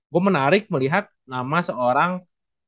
gue menarik melihat nama seorang